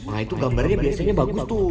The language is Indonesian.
nah itu gambarnya biasanya bagus tuh